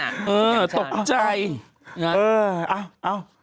อยู่แกรมชาว